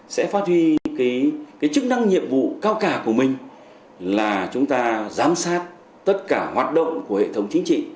sẽ phát huy cái chức năng nhiệm vụ cao cả của mình là chúng ta giám sát tất cả hoạt động của hệ thống chính trị